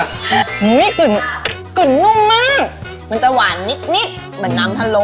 อันนี้กลืนกลืนนุ่มมากมันจะหวานนิดเหมือนน้ำทะโล